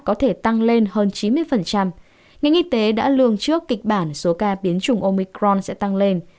có thể tăng lên hơn chín mươi ngành y tế đã lường trước kịch bản số ca biến chủng omicron sẽ tăng lên